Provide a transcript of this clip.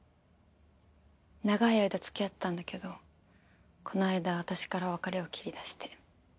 長い間付き合ってたんだけどこの間私から別れを切り出して。